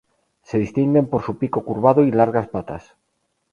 Se distinguen por su pico curvado y largas patas.